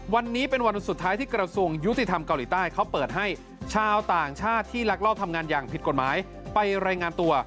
วันนี้เป็นวันสุดท้ายที่กระทรวงยุติธรรมเกาหลีใต้เขาเปิดให้ชาวต่างชาติที่ลักลอบทำงานอย่างผิดกฎหมายไปรายงานตัว